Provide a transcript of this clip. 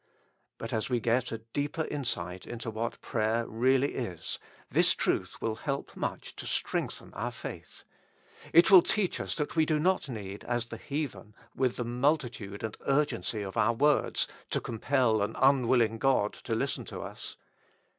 But as we get a deeper insight into what prayer really is, this truth will help much to 'strengthen our faith. It will teach us that we do not need, as the heathen, with the multitude and urg ency of our words, to compel an unwilling God to listen to us.